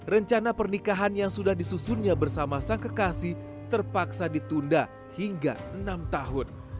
rencana pernikahan yang sudah disusunnya bersama sang kekasih terpaksa ditunda hingga enam tahun